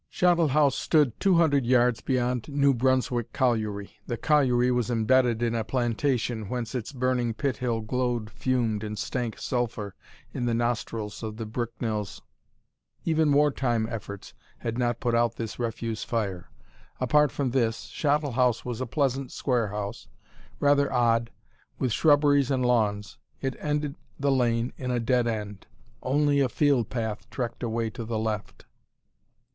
Shottle House stood two hundred yards beyond New Brunswick Colliery. The colliery was imbedded in a plantation, whence its burning pit hill glowed, fumed, and stank sulphur in the nostrils of the Bricknells. Even war time efforts had not put out this refuse fire. Apart from this, Shottle House was a pleasant square house, rather old, with shrubberies and lawns. It ended the lane in a dead end. Only a field path trekked away to the left.